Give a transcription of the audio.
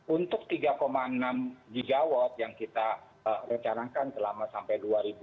untuk tiga enam gigawatt yang kita rencanakan selama sampai dua ribu dua puluh